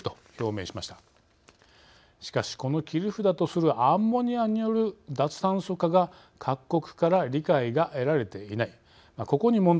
しかしこの切り札とするアンモニアによる脱炭素化が各国から理解が得られていないここに問題があります。